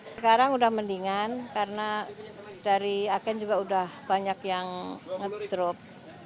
sekarang udah mendingan karena dari agen juga udah banyak yang ngedrop